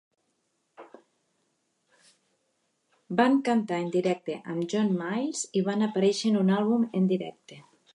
Van cantar en directe amb John Miles i van aparèixer en un àlbum en directe.